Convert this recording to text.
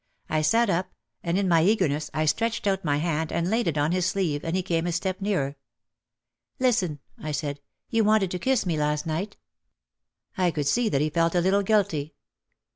I sat up and in my eagerness I stretched out my hand and laid it on his sleeve and he came a step nearer. "Listen," I said, "you wanted to kiss me last night." 228 OUT OF THE SHADOW I could see that he felt a little guilty.